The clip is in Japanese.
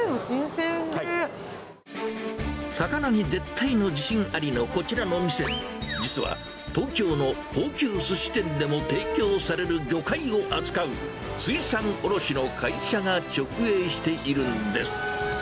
魚に絶対の自信ありのこちらのお店、実は東京の高級すし店でも提供される魚介を扱う水産卸の会社が直営しているんです。